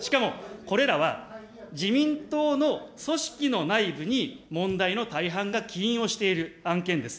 これらは自民党の組織の内部に問題の大半が起因をしている案件です。